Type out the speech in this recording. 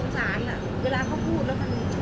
เขาไปจับลมก็บอกเขาว่าออกไปไหน